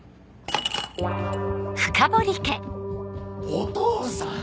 お義父さん！